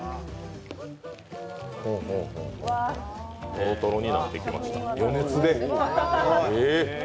トロトロになってきました余熱で。